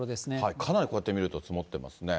かなりこうやって見ると積もってますね。